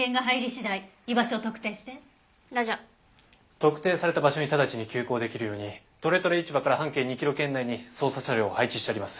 特定された場所に直ちに急行できるようにとれとれ市場から半径２キロ圏内に捜査車両を配置してあります。